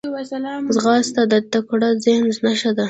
ځغاسته د تکړه ذهن نښه ده